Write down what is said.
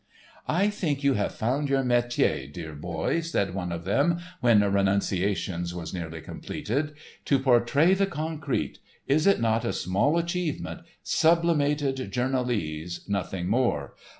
"I think you have found your métier, dear boy," said one of them, when "Renunciations" was nearly completed. "To portray the concrete—is it not a small achievement, sublimated journalese, nothing more?